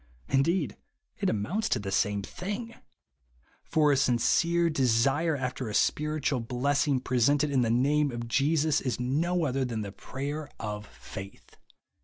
Indeed, it amounts to the same thing ; for a sincere desire after a spiritual hlessing , presented in the name of Jesus, is no other than the prayer of faith."